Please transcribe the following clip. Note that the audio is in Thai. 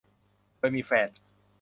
โดยมีแฟน